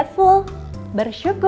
kita harus bersyukur